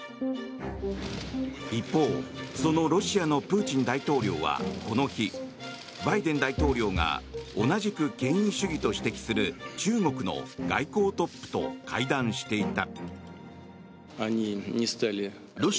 一方、そのロシアのプーチン大統領はこの日、バイデン大統領が同じく権威主義と指摘する中国の外交トップと会談していた。